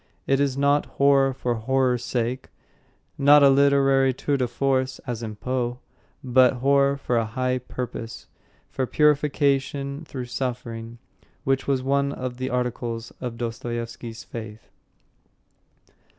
It is not horror for horror's sake, not a literary tour de force, as in Poe, but horror for a high purpose, for purification through suffering, which was one of the articles of Dostoyevsky's faith.